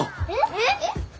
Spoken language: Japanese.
えっ！？